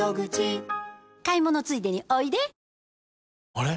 あれ？